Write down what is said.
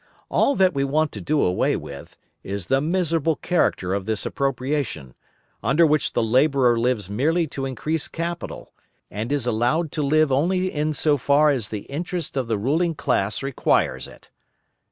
All that we want to do away with, is the miserable character of this appropriation, under which the labourer lives merely to increase capital, and is allowed to live only in so far as the interest of the ruling class requires it.